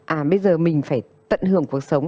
à bây giờ mình phải tận hưởng cuộc sống